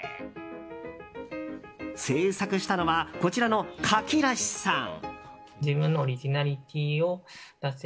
制作したのはこちらの、かきらしさん。